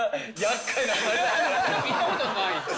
行ったことないです。